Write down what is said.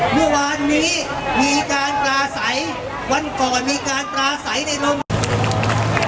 เมื่อวานนี้มีการตราใสวันก่อนมีการตราใสในโรงพยพ